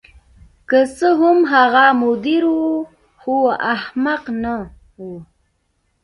که څه هم هغه مدیر و خو احمق نه و